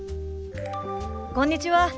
こんにちは。